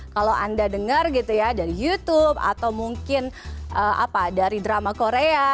kalau anda dengar gitu ya dari youtube atau mungkin apa dari drama korea